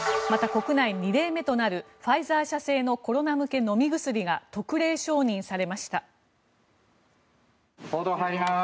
また、国内２例目となるファイザー社製のコロナ向け飲み薬が特例承認されました。